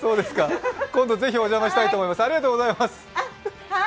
今度、ぜひお邪魔したいと思います。